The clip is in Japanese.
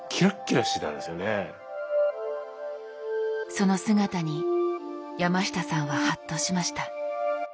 その姿に山下さんはハッとしました。